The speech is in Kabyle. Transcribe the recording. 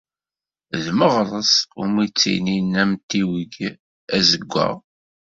D Meɣres umi ttinin amtiweg azewwaɣ.